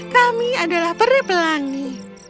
kami adalah perebelangi